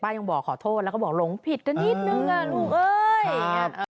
ป้ายังบอกขอโทษแล้วก็บอกลงผิดกันนิดนึงลูกเอ้ย